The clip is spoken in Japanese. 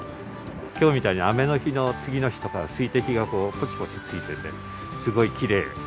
きょうみたいに雨の日の次の日とか、水滴がぽつぽつついてて、すごいきれい。